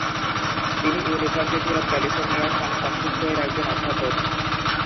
তিনি University of California, San Francisco এর একজন অধ্যাপক।